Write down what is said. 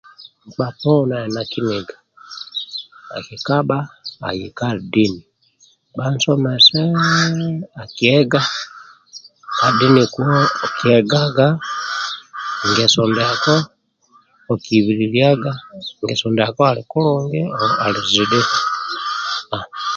Nkpa poni ali na kiniga akikabha aye ka dini bhansomese akiegka dini kuwo okiegaga ngeso ndiako okuibililiaga ngeso ndiako ali kulungi ali zidhi